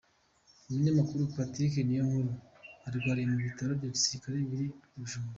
Umunyamakuru, Patrick Niyonkuru, arwariye mu bitaro bya gisirikare biri i Bijumbura.